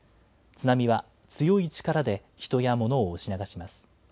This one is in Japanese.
津波は強い力で人や物を押し流します。